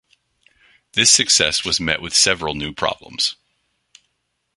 This success was met with several new problems.